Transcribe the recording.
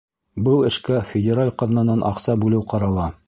Был эшкә федераль ҡаҙнанан аҡса бүлеү ҡарала.